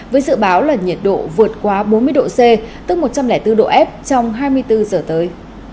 với dự báo là nhiệt độ vượt quá bốn mươi độ c tức một trăm linh bốn độ f trong hai mươi bốn giờ tới